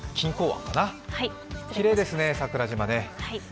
きれいですね、桜島ね。